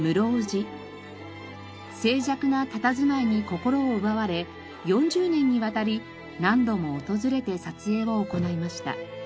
静寂なたたずまいに心を奪われ４０年にわたり何度も訪れて撮影を行いました。